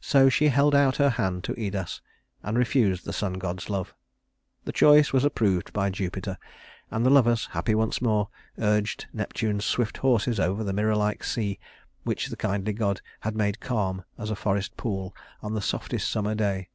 So she held out her hand to Idas, and refused the sun god's love. This choice was approved by Jupiter, and the lovers, happy once more, urged Neptune's swift horses over the mirror like sea, which the kindly god had made calm as a forest pool on the softest summer day.